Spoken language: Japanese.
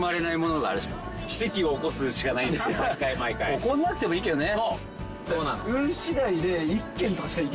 起こらなくてもいいけどね。